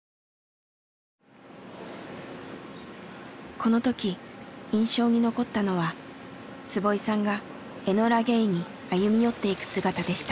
このとき印象に残ったのは坪井さんがエノラ・ゲイに歩み寄っていく姿でした。